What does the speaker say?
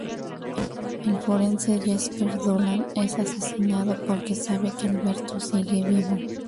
El forense Jasper Dolan es asesinado porque sabe que Alberto sigue vivo.